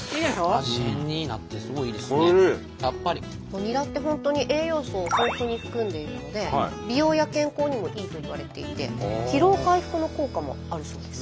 ニラって本当に栄養素を豊富に含んでいるので美容や健康にもいいといわれていて疲労回復の効果もあるそうです。